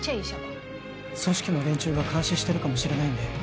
組織の連中が監視してるかもしれないんで